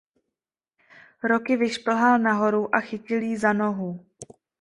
Rocky vyšplhal nahoru a chytil ji za nohu.